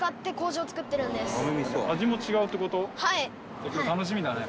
じゃあ今日楽しみだね。